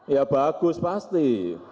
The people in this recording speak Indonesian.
ya bagus pasti